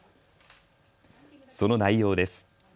その内容です。